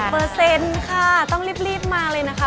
เปอร์เซ็นต์ค่ะต้องรีบมาเลยนะคะ